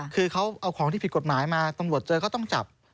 คือเขาเอาของที่ผิดกฎหมายมาตำรวจเจอก็ต้องจับ